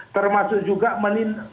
termasuk juga menindas